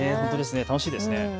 楽しいですね。